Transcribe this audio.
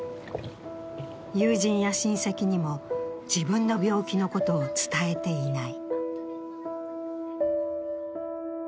友人や親戚にも自分の病気のことを伝えていない。